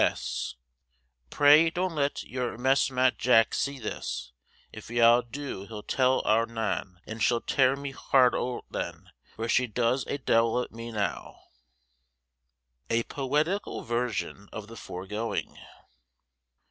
P.S. Pray dont let yowr mesmat Jack se this, if yow do hel tel owr Nan, and shel ter mi hart owt then, for shes a devil at me now. _A Poetical Version of the foregoing.